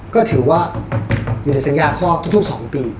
ก็ถือว่าอยู่ในสัญญาครอบทุก๒ปี